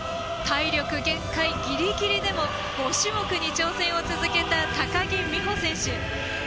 体力限界ギリギリでも５種目に挑戦を続けた高木美帆選手。